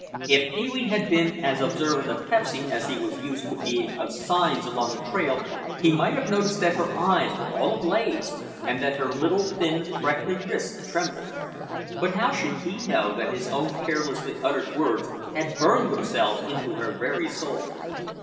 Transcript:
If Pee wee had been as observant of Pepsy as he was used to being of signs along a trail he might have noticed that her eyes were all ablaze and that her little, thin, freckly wrist trembled. But how should he know that his own carelessly uttered words had burned themselves into her very soul?